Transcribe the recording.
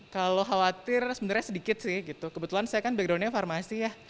kalau khawatir sebenarnya sedikit sih gitu kebetulan saya kan backgroundnya farmasi ya